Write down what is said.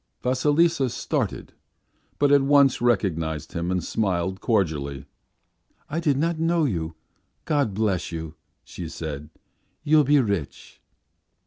Vasilisa started, but at once recognized him and smiled cordially. "I did not know you; God bless you," she said. "You'll be rich."